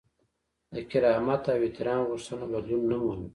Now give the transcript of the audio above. د کرامت او احترام غوښتنه بدلون نه مومي.